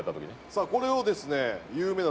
さあこれをですね有名な。